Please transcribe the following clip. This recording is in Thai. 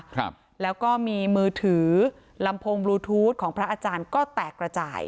ครับแล้วก็มีมือถือลำโพงบลูทูธของพระอาจารย์ก็แตกระจาย